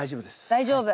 大丈夫。